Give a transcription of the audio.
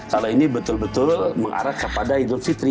kalau ini betul betul mengarah kepada idul fitri